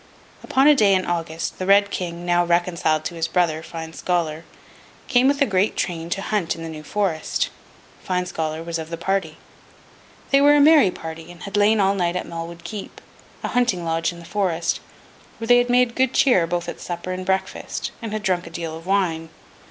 Upon a day in August, the Red King, now reconciled to his brother, Fine Scholar, came with a great train to hunt in the New Forest. Fine Scholar was of the party. They were a merry party, and had lain all night at Malwood Keep, a hunting lodge in the forest, where they had made good cheer, both at supper and breakfast, and had drunk a deal of wine.